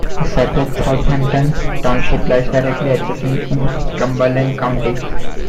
A separate Southampton Township lies directly adjacent in Cumberland County.